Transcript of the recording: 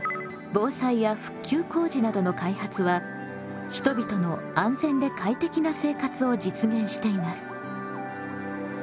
防災や復旧工事などの開発は人々の安全で快適な生活を実現しています。